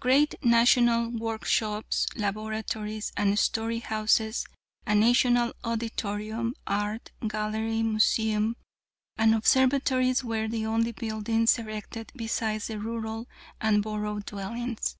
Great national work shops, laboratories, and store houses, a national auditorium, art gallery, museum, and observatory were the only buildings erected besides the rural and borough dwellings.